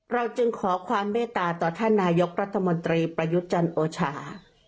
เราจึงขอความเมตตาต่อท่านนายกรัฐมนตรีประยุทธ์จันทร์โอชา